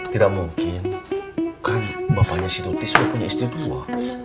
tidak mungkin kan bapaknya si tuti sudah punya istri tua